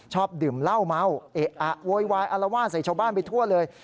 ชอบดื่มเหล้าเมาเอะอะโวยวายอารวาสใส่ชาวบ้านไปทั่วเลย